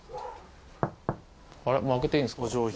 もう開けていいんですか？